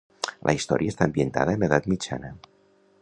La història està ambientada en l'edat mitjana.